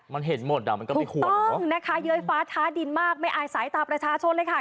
มันเห็นหมดอ่ะมันก็ไม่ควรถูกต้องนะคะเย้ยฟ้าท้าดินมากไม่อายสายตาประชาชนเลยค่ะ